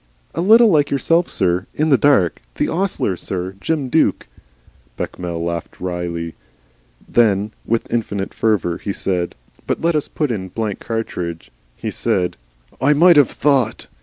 "A little like yourself, sir in the dark. The ostler, sir, Jim Duke " Bechamel laughed awry. Then, with infinite fervour, he said But let us put in blank cartridge he said, "!" "I might have thought!"